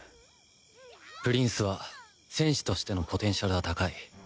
プリンスは戦士としてのポテンシャルは高い。